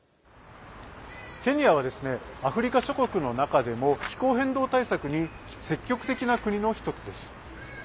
ケニアはアフリカ諸国の中でも気候変動対策に積極的な国の一つです。